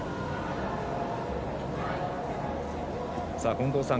近藤さん